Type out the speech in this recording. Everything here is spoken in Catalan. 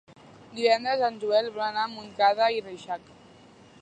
Divendres en Joel vol anar a Montcada i Reixac.